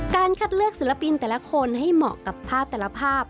คัดเลือกศิลปินแต่ละคนให้เหมาะกับภาพแต่ละภาพ